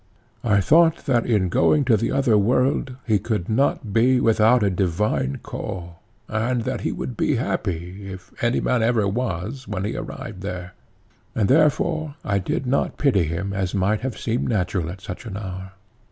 I thought that in going to the other world he could not be without a divine call, and that he would be happy, if any man ever was, when he arrived there, and therefore I did not pity him as might have seemed natural at such an hour.